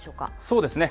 そうですね。